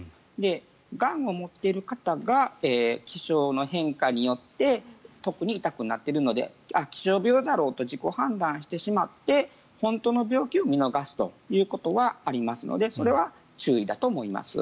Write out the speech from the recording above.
がんを持っている方が気象の変化によって特に痛くなっているので気象病だろうと自己判断してしまって本当の病気を見逃すということはありますのでそれは注意だと思います。